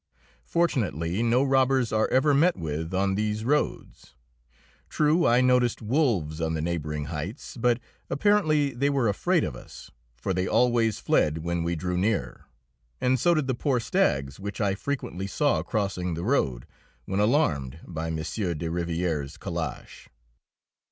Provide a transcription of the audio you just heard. Fortunately, no robbers are ever met with on these roads. True, I noticed wolves on the neighbouring heights, but apparently they were afraid of us, for they always fled when we drew near, and so did the poor stags, which I frequently saw crossing the road, when alarmed by M. de Rivière's calash.